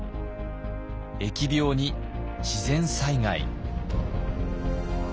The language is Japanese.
疫病に自然災害。